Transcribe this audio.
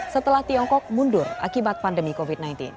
setelah tiongkok mundur akibat pandemi covid sembilan belas